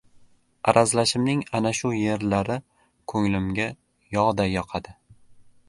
Arazlashimning ana shu yerlari ko‘nglimga yog‘day yoqadi!